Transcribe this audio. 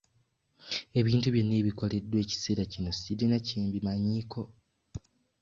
Ebintu byonna ebikoleddwa ekiseera kino sirina kye mbimanyiiko.